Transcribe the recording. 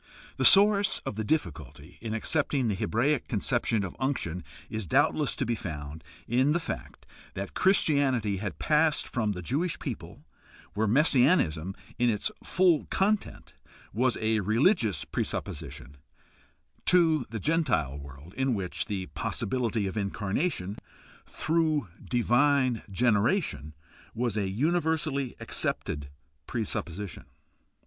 The source of the difficulty in accepting the Hebraic conception of unction is doubtless to be found in the fact that Christianity had passed from the Jewish people, where messianism in its full content was a religious presupposition, to the Gentile world, in which the possibility of incarnation through divine generation was a universally accepted presupposition.